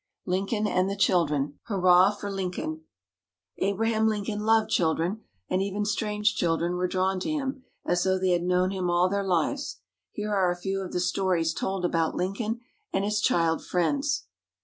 LINCOLN AND THE CHILDREN Hurrah for Lincoln! Abraham Lincoln loved children, and even strange children were drawn to him, as though they had known him all their lives. Here are a few of the stories told about Lincoln and his child friends.